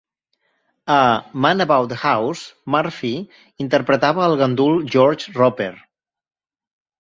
A "Man About the House" Murphy interpretava al gandul George Roper.